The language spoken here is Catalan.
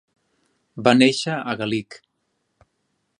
Va néixer a Galich.